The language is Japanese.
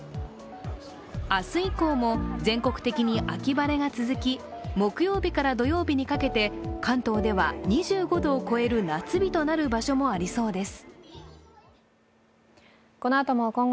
明日以降も全国的に秋晴れが続き、木曜日から土曜日にかけて関東では２５度を超える夏日となる場所もありそうです。